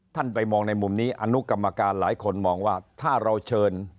ไปมองในมุมนี้อนุกรรมการหลายคนมองว่าถ้าเราเชิญ